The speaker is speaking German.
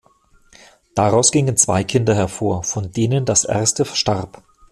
Daraus gingen zwei Kinder hervor, von denen das erste starb.